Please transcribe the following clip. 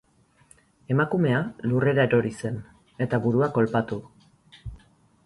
Emakumea lurrera erori zen, eta burua kolpatu.